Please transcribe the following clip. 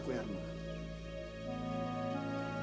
aku ini sudah selesai